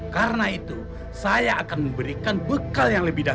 karena itu saya akan mempercayaimu mbak